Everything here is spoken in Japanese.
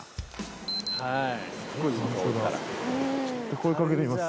声かけてみます